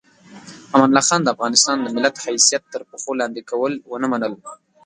امان الله خان د افغانستان د ملت حیثیت تر پښو لاندې کول ونه منل.